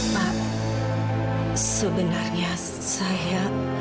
pak sebenarnya saya